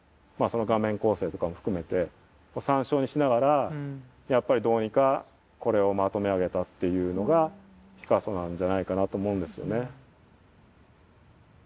その画面構成とかも含めて参照にしながらやっぱりどうにかこれをまとめ上げたっていうのがピカソなんじゃないかなと思うんですよね。